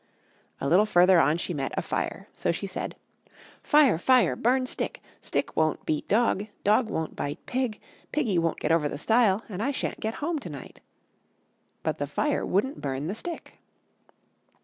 A little further on she met a fire. So she said: "Fire! fire! burn stick! stick won't beat dog; dog won't bite pig; piggy won't get over the stile; and I sha'n't get home to night." But the fire wouldn't burn the stick.